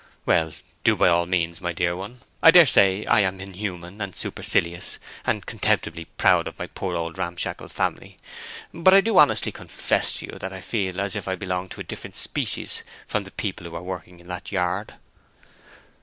"Well, do by all means, my dear one. I dare say I am inhuman, and supercilious, and contemptibly proud of my poor old ramshackle family; but I do honestly confess to you that I feel as if I belonged to a different species from the people who are working in that yard."